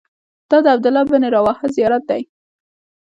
دا د عبدالله بن رواحه زیارت دی.